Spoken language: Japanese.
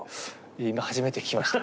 今初めて聞きました。